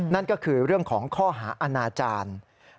นั่นก็คือเรื่องของข้อหาอาณาจารย์